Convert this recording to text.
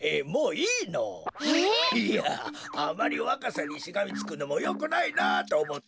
いやあまりわかさにしがみつくのもよくないなっとおもって。